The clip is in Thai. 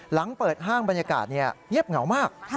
หลังเปิดห้างบรรยากาศเงียบเหงามาก